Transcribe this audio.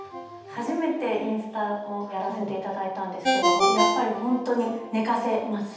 初めてインスタをやらせていただいたんですけどやっぱり本当に寝かせます。